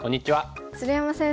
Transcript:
鶴山先生